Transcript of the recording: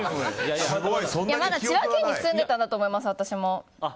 まだ千葉県に住んでたんだと思います、私も。